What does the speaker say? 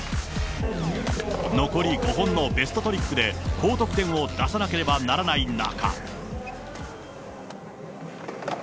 残り５本のベストトリックで高得点を出さなければならない中。